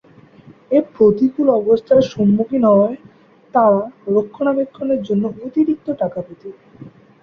এ প্রতিকূল অবস্থার সম্মুখীন হওয়ার তারা রক্ষণাবেক্ষণের জন্য অতিরিক্ত টাকা পেতেন